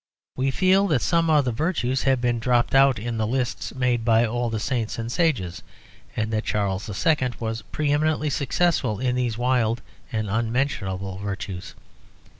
We feel that some of the virtues have been dropped out in the lists made by all the saints and sages, and that Charles II. was pre eminently successful in these wild and unmentionable virtues.